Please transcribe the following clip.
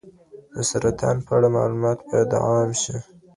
د سرطان په اړه معلومات باید عام شي.